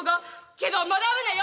けどまだ危ないよ！